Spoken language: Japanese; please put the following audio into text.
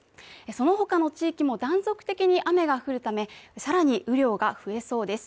その他の地域も断続的に雨が降るため、更に雨量が増えそうです。